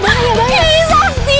halilintar jangan ke situ